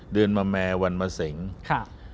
เดือนมะแม่วันมะเสงค่ะ